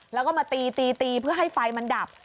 แล้วก็มาตีตีเพื่อให้ไฟมันดับ